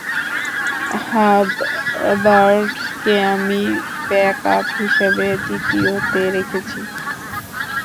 Harvard কে আমি backup হিসেবে দ্বিতীয় তে রেখেছি।